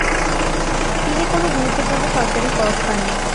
তিনি কোনো গুরুত্বপূর্ণ সরকারি পদ পাননি।